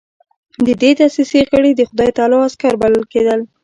د دې دسیسې غړي د خدای تعالی عسکر بلل کېدل.